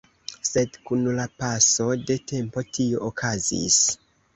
Sed kun la paso de tempo, tio okazis.